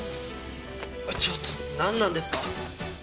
ちょっとなんなんですか？